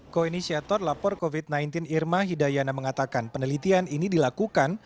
koinisiator lapor covid sembilan belas irma hidayana mengatakan penelitian ini dilakukan